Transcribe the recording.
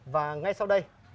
và ngay sau đây